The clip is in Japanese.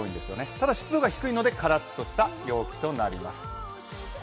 ただ、湿度が低いのでカラッとした陽気となります。